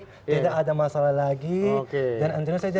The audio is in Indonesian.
apabila dermatologi ini kemudian juga saja